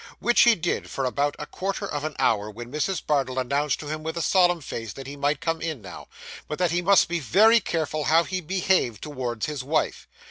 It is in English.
Which he did for about a quarter of an hour, when Mrs. Bardell announced to him with a solemn face that he might come in now, but that he must be very careful how he behaved towards his wife.